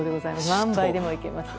何杯でもいけます。